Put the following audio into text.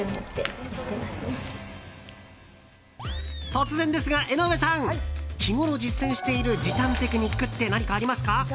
突然ですが、江上さん。日ごろ実践している時短テクニックって何かありますか？